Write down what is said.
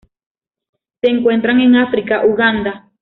Se encuentran en África: Uganda.